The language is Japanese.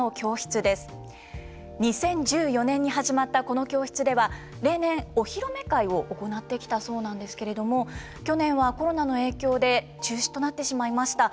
２０１４年に始まったこの教室では例年お披露目会を行ってきたそうなんですけれども去年はコロナの影響で中止となってしまいました。